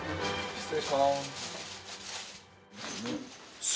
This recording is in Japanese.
失礼します。